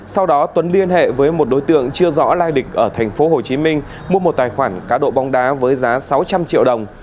sau đó tuấn liên hệ với một đối tượng chưa rõ lai địch ở thành phố hồ chí minh mua một tài khoản cá độ bóng đá với giá sáu trăm linh triệu đồng